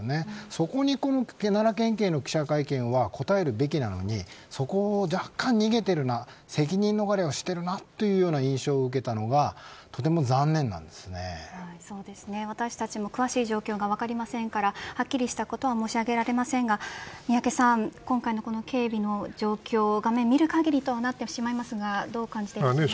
そこに奈良県警の記者会見は答えるべきなのにそこを若干逃げているな責任逃れをしているという印象を受けたのがそうですね、私たちも詳しい状況が分かりませんからはっきりしたことは申し上げられませんが宮家さん、今回の警備の状況画面見る限りとはなってしまいますがどう感じますか。